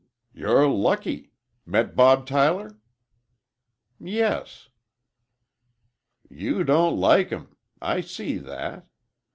"You're lucky. Met Bob Tyler?" "Yes." "You don't like him! I see that.